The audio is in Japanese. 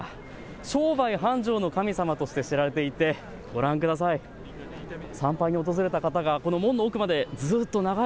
商売繁盛の神様として知られていて、ご覧ください。